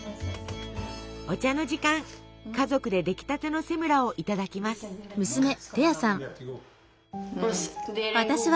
お茶の時間家族で出来たてのセムラをいただきます。